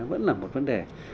vẫn là một vấn đề